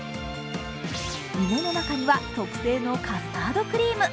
イモの中には特製のカスタードクリーム。